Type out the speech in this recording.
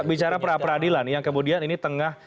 bicara perapradilan yang kemudian ini tengah